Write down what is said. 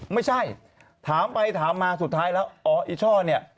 ไม่ใช่ถามไปถามมาสุดท้ายแล้วอ๋ออีช่อเนี่ย